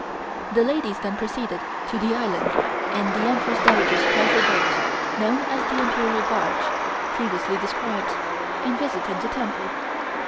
The ladies then proceeded to the island in the Empress Dowager's pleasure boat known as the Imperial barge, previously described, and visited the temple.